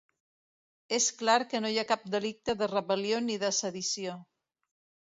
És clar que no hi ha cap delicte de rebel·lió ni de sedició.